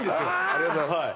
ありがとうございます